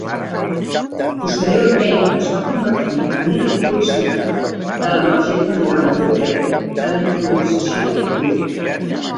Posteriorment es va convertir en una figura central de l'emergent panorama europeu de la improvisació lliure.